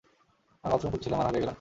আমি বাথরুম খুঁজছিলাম, আর হারিয়ে গেলাম।